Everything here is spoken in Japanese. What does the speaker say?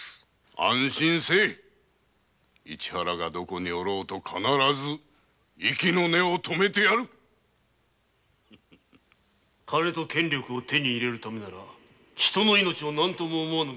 安心せい市原がどこにいようと必ず息の根をとめてやる・金と権力を手に入れるためなら人の命も何とも思わぬ外道ども。